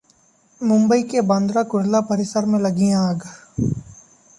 मुंबई के बांद्रा-कुर्ला परिसर में लगी आग